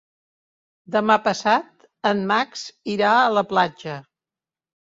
Demà passat en Max irà a la platja.